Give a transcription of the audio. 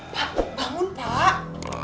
pak bangun pak